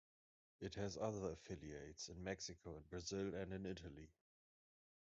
It has other affiliates in Mexico, in Brazil and in Italy.